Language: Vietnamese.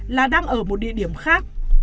là đang ở một địa điểm khác